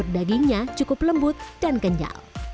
dagingnya cukup lembut dan kenyal